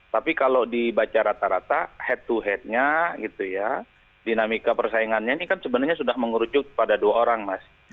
tapi kalau dibaca rata rata head to headnya gitu ya dinamika persaingannya ini kan sebenarnya sudah mengerucut pada dua orang mas